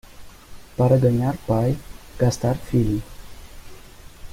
Para ganhar pai, gastar filho.